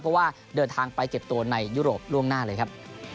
เพราะว่าเดินทางไปเก็บตัวในยุโรปล่วงหน้าเลยครับ